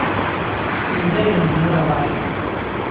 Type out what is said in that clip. Anda ay lemden ad ɣren?